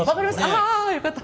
ああよかった。